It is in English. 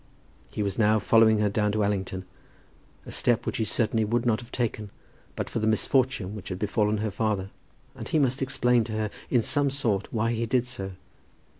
He was now following her down to Allington, a step which he certainly would not have taken but for the misfortune which had befallen her father, and he must explain to her in some sort why he did so.